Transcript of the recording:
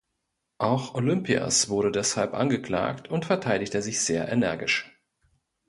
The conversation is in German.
Auch Olympias wurde deshalb angeklagt und verteidigte sich sehr energisch.